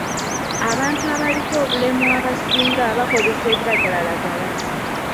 Abantu abaliko obulemu abasinga bakozesa ebiragalalagala.